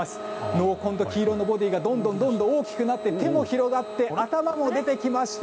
濃紺な黄色いボディーがどんどん大きくなって手も広がって頭も出てきました。